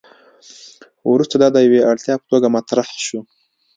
وروسته دا د یوې اړتیا په توګه مطرح شو.